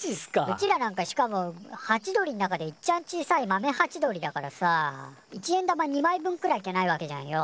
うちらなんかしかもハチドリの中でいっちゃん小さいマメハチドリだからさ一円玉２枚分くらいっきゃないわけじゃんよ